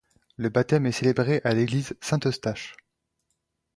Le baptême est célébré à l'église Saint-Eustache.